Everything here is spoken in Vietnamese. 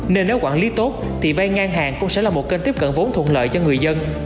nên nếu quản lý tốt thì vay ngang hàng cũng sẽ là một kênh tiếp cận vốn thuận lợi cho người dân